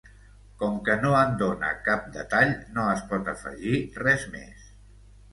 Com que no en dóna cap detall no es pot afegir res més.